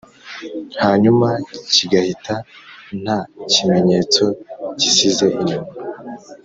hanyuma kigahita nta kimenyetso gisize inyuma.